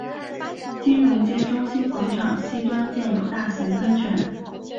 金融街中心广场西端建有大型喷泉。